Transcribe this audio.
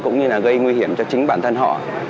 cũng như là gây nguy hiểm cho chính bản thân họ